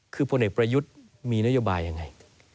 คือพลเอกประยุทธ์มีนโยบายยังไง